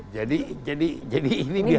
jadi jadi jadi ini biar